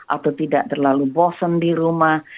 atau tidak terlalu bosen di rumah